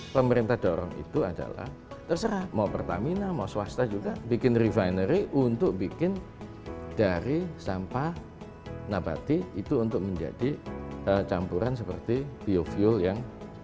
pemerintah dorong itu adalah terserah mau pertamina mau swasta juga bikin refinery untuk bikin dari sampah nabati itu untuk menjadi campuran seperti biofuel yang